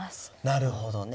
なるほどね。